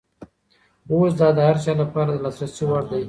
اوس دا د هر چا لپاره د لاسرسي وړ دی.